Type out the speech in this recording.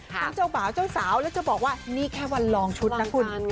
ทั้งเจ้าบ่าวเจ้าสาวแล้วจะบอกว่านี่แค่วันลองชุดนะคุณ